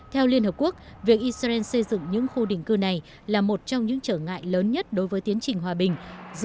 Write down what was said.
theo liên hợp quốc việc israel xây dựng những khu định cư này là một trong những trở ngại lớn nhất đối với tiến trình hòa bình giữa israel và palestine